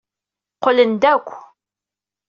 Qqlen-d akk.